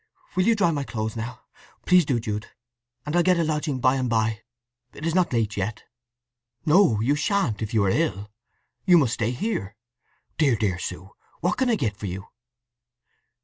Will you dry my clothes now? Please do, Jude, and I'll get a lodging by and by. It is not late yet." "No, you shan't, if you are ill. You must stay here. Dear, dear Sue, what can I get for you?"